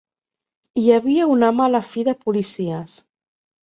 Hi havia una mala fi de policies.